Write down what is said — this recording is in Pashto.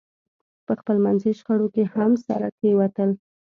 په خپلمنځي شخړو کې هم سره کېوتل.